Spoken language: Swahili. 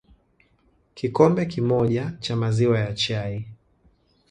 kikombe kimoja cha maziwa ya chai